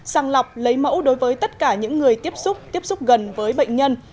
sàng lọc lấy mẫu đối với tất cả những người tiếp xúc tiếp xúc gần với bệnh nhân